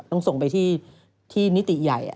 ต้องส่งไปที่นิติใหญ่